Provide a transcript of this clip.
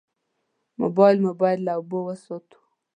موبایل مو باید له اوبو وساتو.